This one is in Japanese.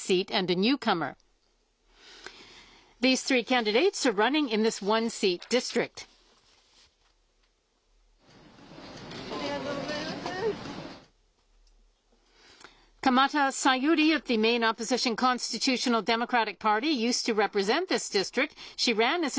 ありがとうございます。